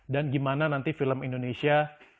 dan gimana nanti film indonesia